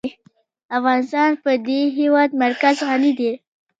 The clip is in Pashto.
افغانستان په د هېواد مرکز غني دی.